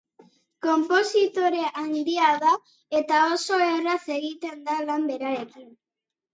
Konpositore handia da, eta oso erraz egiten da lan berarekin.